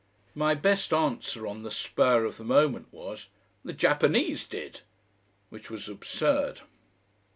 My best answer on the spur of the moment was: "The Japanese did." Which was absurd.